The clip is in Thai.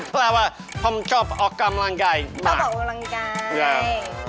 เพราะว่าผมชอบออกกำลังกายชอบออกกำลังกาย